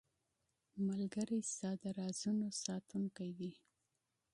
ملګری ستا د رازونو ساتونکی وي.